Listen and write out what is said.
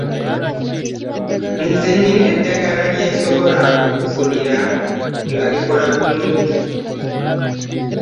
Nze nina eddagala lye nsobola okukufunira nga likola bulungi.